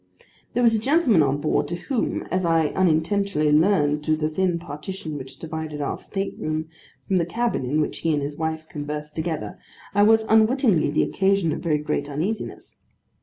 There was a gentleman on board, to whom, as I unintentionally learned through the thin partition which divided our state room from the cabin in which he and his wife conversed together, I was unwittingly the occasion of very great uneasiness.